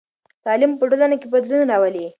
تعلیم په ټولنه کې بدلون راولي.